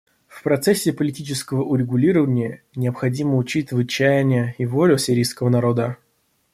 В процессе политического урегулирования необходимо учитывать чаяния и волю сирийского народа.